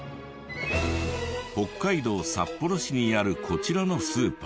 北海道札幌市にあるこちらのスーパー。